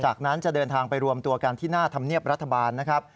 จากนั้นจะเดินทางไปรวมตัวกันที่หน้าธรรมเนียบรัฐบาลนะครับ